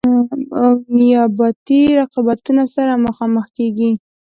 او نیابتي رقابتونو سره مخامخ کیږي.